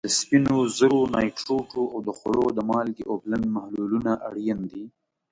د سپینو زرو نایټریټو او د خوړو د مالګې اوبلن محلولونه اړین دي.